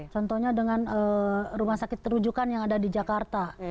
contohnya dengan rumah sakit terujukan yang ada di jakarta